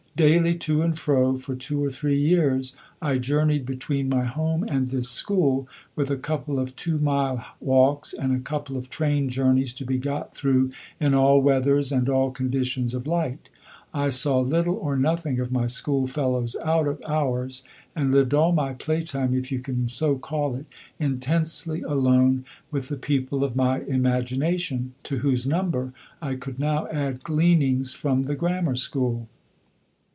Daily, to and fro, for two or three years I journeyed between my home and this school, with a couple of two mile walks and a couple of train journeys to be got through in all weathers and all conditions of light. I saw little or nothing of my school fellows out of hours, and lived all my play time, if you can so call it, intensely alone with the people of my imagination to whose number I could now add gleanings from the Grammar School.